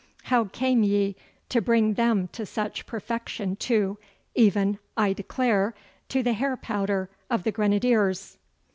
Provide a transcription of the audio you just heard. How came ye to bring them to such perfection too, even, I declare, to the hair powder of the grenadiers?